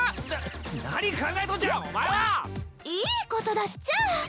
な何考えとんじゃお前は！いいことだっちゃ。